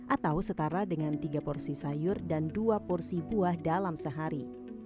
atau setara dengan tiga porsi sayur dan dua porsi buah dalam sehari